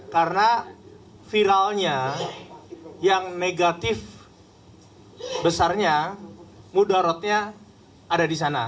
karena viralnya yang negatif besarnya mudaratnya ada di sana